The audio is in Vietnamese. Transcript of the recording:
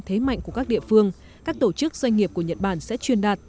thế mạnh của các địa phương các tổ chức doanh nghiệp của nhật bản sẽ truyền đạt